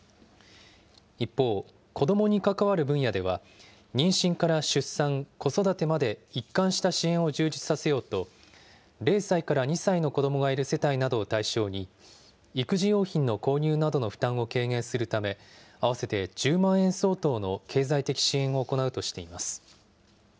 一方、子どもに関わる分野では妊娠から出産、子育てまで一貫した支援を充実させようと、０歳から２歳の子どもがいる世帯などを対象に、育児用品の購入などの負担を軽減するため、合わせて１０万円相当の経済的支援を行うとしています。